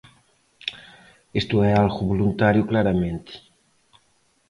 Isto é algo voluntario claramente.